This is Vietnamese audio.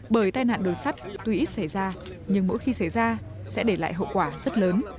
bởi tai nạn đường sắt tuy ít xảy ra nhưng mỗi khi xảy ra sẽ để lại hậu quả rất lớn